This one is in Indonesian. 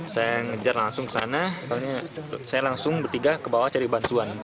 saya ngejar langsung ke sana saya langsung bertiga ke bawah cari bantuan